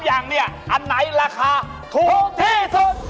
อย่างนี้อันไหนราคาถูกที่สุด